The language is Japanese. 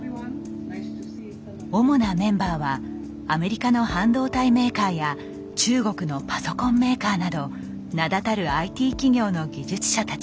主なメンバーはアメリカの半導体メーカーや中国のパソコンメーカーなど名だたるＩＴ企業の技術者たち。